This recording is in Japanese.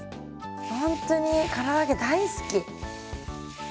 ほんとにから揚げ大好き。